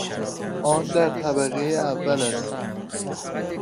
آن در طبقه اول است.